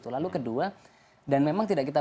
lalu kedua dan memang tidak kita